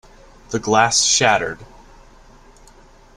The glass shattered.